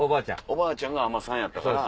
おばあちゃんが海女さんやったから。